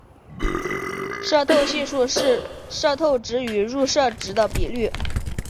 透射系数是透射值与入射值的比率。